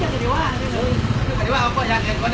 สวัสดีครับทุกคน